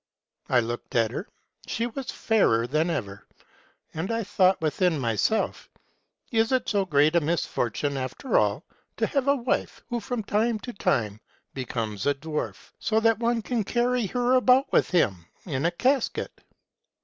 '' I looked at her ; she was fairer than ever : and I thought within myself, Is it so great a misfortune, after all, to have a wife who from time to time becomes a dwarf, so that one can carry her about with him in a casket